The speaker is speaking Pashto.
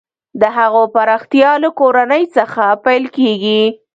د هغو پراختیا له کورنۍ څخه پیل کیږي.